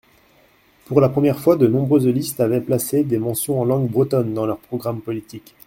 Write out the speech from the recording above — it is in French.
Pour la première fois, de nombreuses listes avaient placé des mentions en langue bretonne dans leurs programmes politiques.